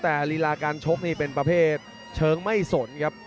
แต่ลีลาการชกนี่เป็นประเภทเชิงไม่สนครับ